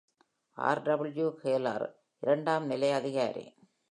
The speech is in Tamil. ஆர்.டபிள்யூ.ஹேலர், இரண்டாம் நிலை அதிகாரி.